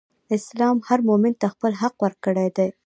اسلام هر مؤمن ته خپل حق ورکړی دئ.